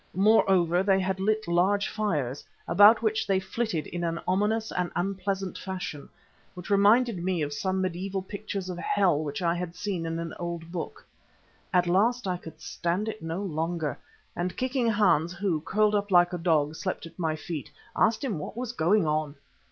Moreover, they had lit large fires, about which they flitted in an ominous and unpleasant fashion, that reminded me of some mediaeval pictures of hell, which I had seen in an old book. At last I could stand it no longer, and kicking Hans who, curled up like a dog, slept at my feet, asked him what was going on.